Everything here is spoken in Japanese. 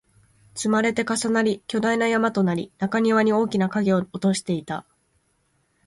積まれて、重なり、巨大な山となり、中庭に大きな影を落としていた